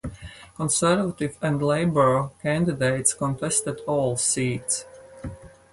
Conservative and Labour candidates contested all seats.